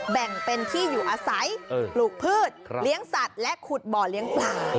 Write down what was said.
แบ่งเป็นที่อยู่อาศัยปลูกพืชเลี้ยงสัตว์และขุดบ่อเลี้ยงปลา